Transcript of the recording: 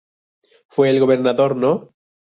Fue el Gobernador No.